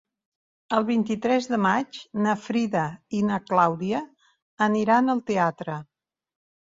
El vint-i-tres de maig na Frida i na Clàudia aniran al teatre.